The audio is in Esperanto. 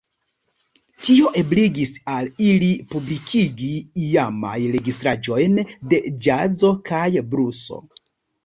Tio ebligis al ili publikigi iamajn registraĵojn de ĵazo kaj bluso.